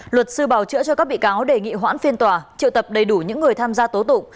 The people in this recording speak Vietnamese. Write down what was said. luật sư bảo chữa cho các bị cáo đề nghị hoãn phiên tòa triệu tập đầy đủ những người tham gia tố tụng